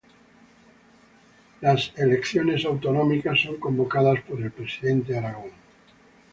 Las elecciones autonómicas son convocadas por el presidente de Aragón.